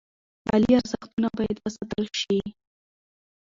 مالي ارزښتونه باید وساتل شي.